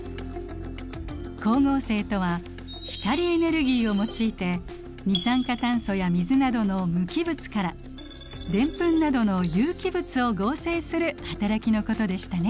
光合成とは光エネルギーを用いて二酸化炭素や水などの無機物からデンプンなどの有機物を合成する働きのことでしたね。